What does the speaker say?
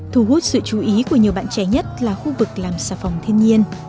thu hút sự chú ý của nhiều bạn trẻ nhất là khu vực làm xà phòng thiên nhiên